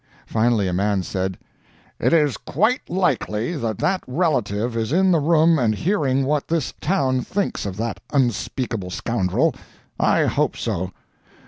Finally a man said, "It is quite likely that that relative is in the room and hearing what this town thinks of that unspeakable scoundrel. I hope so."